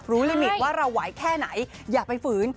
ลิมิตว่าเราไหวแค่ไหนอย่าไปฝืน